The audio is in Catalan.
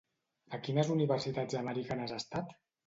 A quines universitats americanes ha estat?